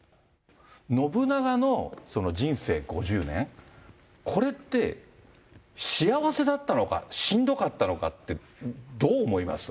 信長のその人生５０年、これって幸せだったのか、しんどかったのかって、どう思います？